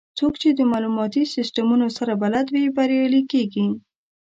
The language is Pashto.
څوک چې د معلوماتي سیستمونو سره بلد وي، بریالي کېږي.